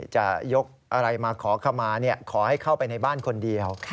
จะยกอะไรมาขอขมาขอให้เข้าไปในบ้านคนเดียว